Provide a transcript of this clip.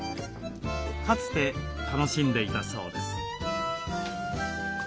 かつて楽しんでいたそうです。